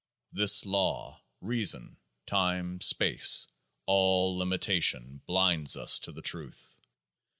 This Law, Reason, Time, Space, all Limita tion blinds us to the Truth.